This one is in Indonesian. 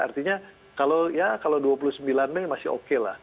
artinya kalau dua puluh sembilan mei masih oke lah